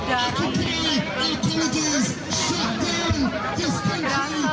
dan ada paling tinggi